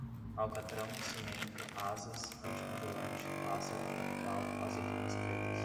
alcatrão, cimento, asas, anticongelante, pássaro, capital, azeitonas pretas